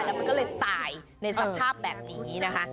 แล้วมันก็เลยตายในสภาพแบบนี้นะคะ